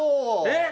えっ！